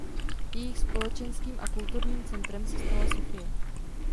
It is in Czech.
Jejich společenským a kulturním centrem se stala Sofie.